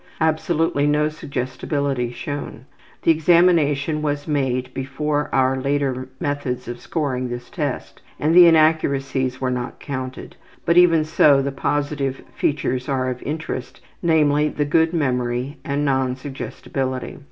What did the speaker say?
Absolutely no suggestibility shown. The examination was made before our later methods of scoring this test, and the inaccuracies were not counted, but even so the positive features are of interest, namely, the good memory and non suggestibility